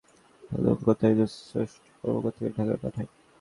এরপর পঁচাত্তরের মার্চে পুনরায় সতর্ক করতে একজন জ্যেষ্ঠ কর্মকর্তাকে ঢাকায় পাঠাই।